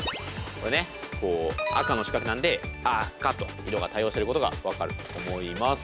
これね赤の四角なんで「あか」と色が対応してることが分かると思います。